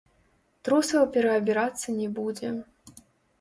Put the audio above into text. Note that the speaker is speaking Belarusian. Трусаў пераабірацца не будзе.